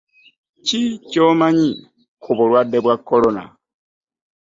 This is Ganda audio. Ki kyomanyi ku bulwadde bwa corona?